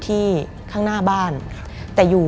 มันกลายเป็นรูปของคนที่กำลังขโมยคิ้วแล้วก็ร้องไห้อยู่